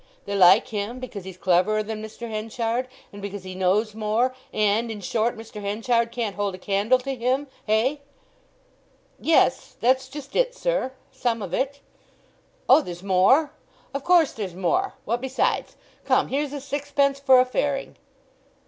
They like him because he's cleverer than Mr. Henchard, and because he knows more; and, in short, Mr. Henchard can't hold a candle to him—hey?" "Yes—that's just it, sir—some of it." "Oh, there's more? Of course there's more! What besides? Come, here's a sixpence for a fairing."